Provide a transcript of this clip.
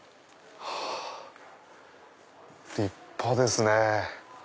立派ですね。